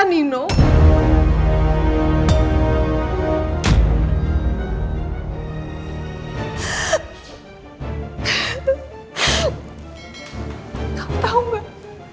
kamu tahu gak